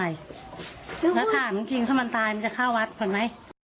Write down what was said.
แล้วถ้ามึงกินข้าวมันตายมันจะเข้าวัดก่อนไหม